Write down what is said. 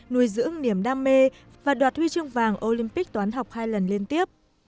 nuôi dưỡng niềm đam mê và đoạt huy chương vàng olympic toán học hai lần liên tiếp